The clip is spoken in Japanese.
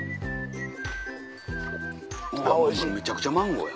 むちゃくちゃマンゴーや。